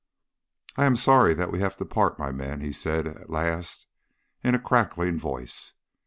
"I am sorry that we have to part, my men," he said at last in a crackling voice.